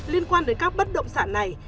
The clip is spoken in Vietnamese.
liên quan đến các bất động sản này